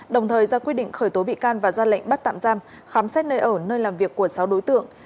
đồng thời ra quyết định khởi tố bị can và ra lệnh bắt tạm giam khám xét nơi ở nơi làm việc của sáu đối tượng